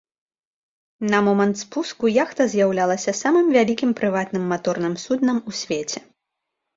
На момант спуску яхта з'яўлялася самым вялікім прыватным маторным суднам ў свеце.